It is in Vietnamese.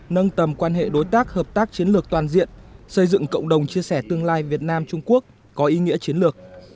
nâng tầm quan hệ đối tác hợp tác chiến lược toàn diện xây dựng cộng đồng chia sẻ tương lai việt nam trung quốc có ý nghĩa chiến lược